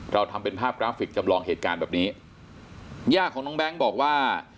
เราทำเป็นภาพกราฟิกจำลองเหตุการณ์แบบนี้ย่าของน้องแบงค์บอกว่า